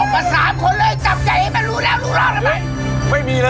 ไม่มี